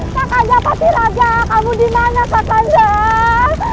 kak kajah patiraja kamu dimana kak kajah